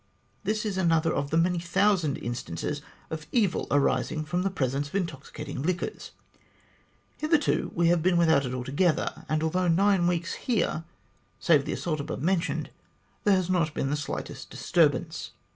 This is another of the many thousand instances of evil arising from the presence of intoxicating liquors. Hitherto, we have been without it altogether, and although nine weeks here, save the assault above mentioned, there has not been the slightest disturbance.